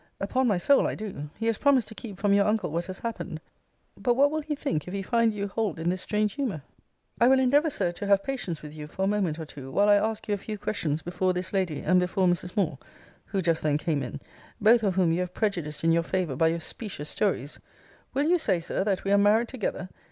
Upon my soul, I do. He has promised to keep from your uncle what has happened: but what will he think if he find you hold in this strange humour? Cl. I will endeavour, Sir, to have patience with you for a moment or two, while I ask you a few questions before this lady, and before Mrs. Moore, [who just then came in,] both of whom you have prejudiced in your favour by your specious stories: Will you say, Sir, that we are married together?